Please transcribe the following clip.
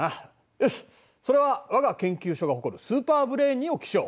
よしそれは我が研究所が誇るスーパーブレーンにお聞きしよう。